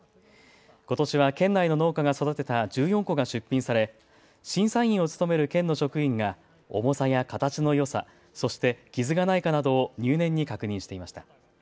ことしは県内の農家が育てた１４個が出品され審査員を務める県の職員が重さや形のよさ、そして傷がないかなどを入念に確認していました。